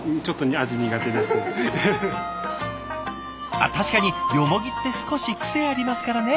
あっ確かにヨモギって少し癖ありますからね。